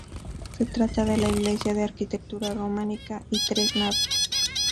Se trata de una iglesia de arquitectura románica y tres naves.